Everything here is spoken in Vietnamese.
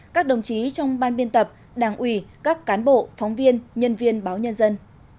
các đồng chí trong ban biên tập đảng ủy các cán bộ phóng viên nhân viên báo nhân dân